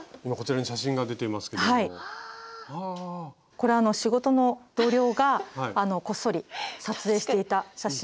これ仕事の同僚がこっそり撮影していた写真なんですけれども。